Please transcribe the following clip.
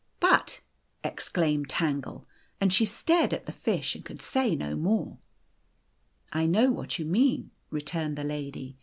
" But," exclaimed Tangle. And she stared at the o fish, and could say no more. " I know what you mean," returned the lady.